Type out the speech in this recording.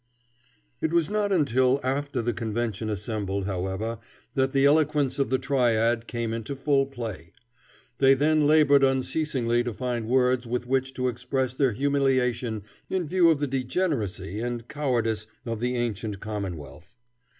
It was not until after the convention assembled, however, that the eloquence of the triad came into full play. They then labored unceasingly to find words with which to express their humiliation in view of the degeneracy and cowardice of the ancient commonwealth.